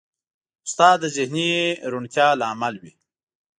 استاد د ذهني روڼتیا لامل وي.